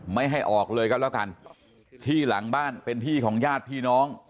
ไม่ให้ออกเลยก็แล้วกันที่หลังบ้านเป็นที่ของญาติพี่น้อง